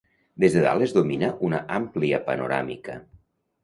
Des de dalt es domina una àmplia panoràmica.